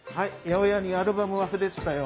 八百屋にアルバム忘れてたよ。